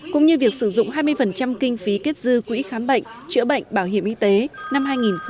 cũng như việc sử dụng hai mươi kinh phí kết dư quỹ khám bệnh chữa bệnh bảo hiểm y tế năm hai nghìn một mươi năm